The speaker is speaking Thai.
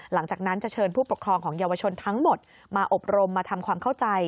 หลังจากนั้นจะเชิญผู้ปกครองของเยาวชนทั้งหมดมาอบรมมาทำความเข้าใจ